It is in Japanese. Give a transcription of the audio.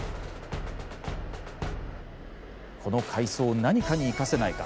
この海藻を何かにいかせないか？